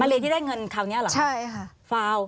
มะเลที่ได้เงินคราวนี้หรอฟาวใช่ค่ะฟาว